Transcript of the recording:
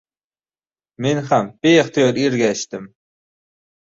Men ham beixtiyor ergash- dim.